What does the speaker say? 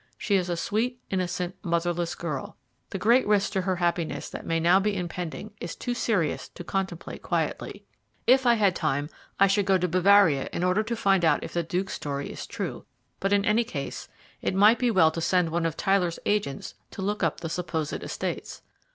She is a sweet, innocent, motherless girl. The great risk to her happiness that may now be impending is too serious to contemplate quietly. If I had time I should go to Bavaria in order to find out if the Duke's story is true; but in any case, it might be well to send one of Tyler's agents to look up the supposed estates."